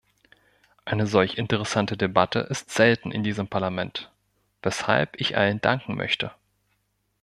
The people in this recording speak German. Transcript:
Eine solch interessante Debatte ist selten in diesem Parlament, weshalb ich allen danken möchte.